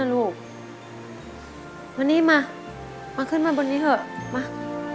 วันนี้มามาขึ้นมาบนนี้เถอะมา